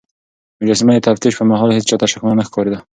مجسمه د تفتيش پر مهال هيڅ چا ته شکمنه نه ښکارېده.